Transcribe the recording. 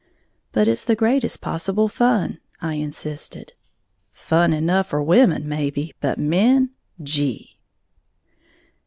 "But it's the greatest possible fun," I insisted. "Fun enough for women, may be, but men, gee!"